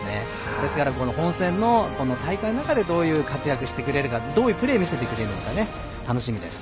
ですから、本戦の大会の中でどういう活躍をしてくれるかどういうプレー見せてくれるのか楽しみです。